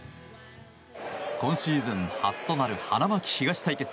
今シーズン初となる花巻東対決。